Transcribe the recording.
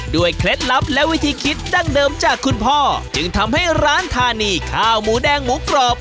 เคล็ดลับและวิธีคิดดั้งเดิมจากคุณพ่อจึงทำให้ร้านธานีข้าวหมูแดงหมูกรอบ